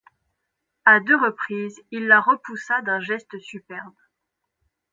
A deux reprises, il la repoussa d'un geste superbe.